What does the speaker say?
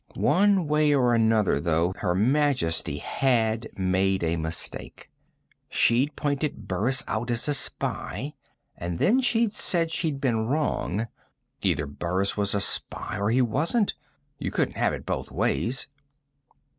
One way or another, though, Her Majesty had made a mistake. She'd pointed Burris out as the spy, and then she'd said she'd been wrong. Either Burris was a spy or he wasn't. You couldn't have it both ways.